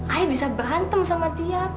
ayah bisa berantem sama dia